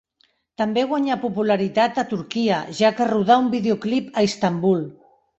També guanyà popularitat a Turquia, ja que rodà un videoclip a Istanbul.